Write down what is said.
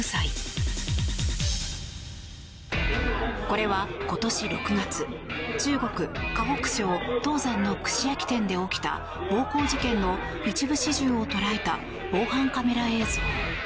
これは今年６月中国・河北省唐山の串焼き店で起きた暴行事件の一部始終を捉えた防犯カメラ映像。